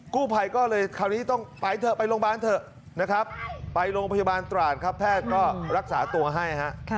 กู้ภัยก็เลยคราวนี้ต้องไปเถอะไปโรงพยาบาลเถอะนะครับไปโรงพยาบาลตราดครับแพทย์ก็รักษาตัวให้ฮะ